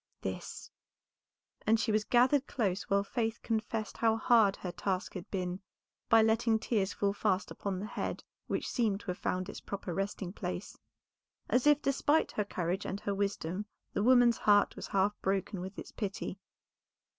"This," and she was gathered close while Faith confessed how hard her task had been by letting tears fall fast upon the head which seemed to have found its proper resting place, as if despite her courage and her wisdom the woman's heart was half broken with its pity.